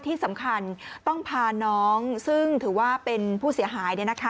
ที่สำคัญต้องพาน้องซึ่งถือว่าเป็นผู้เสียหาย